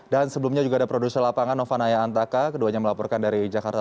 dan sebelumnya juga ada produser lapangan novanaya antaka keduanya melaporkan dari jakarta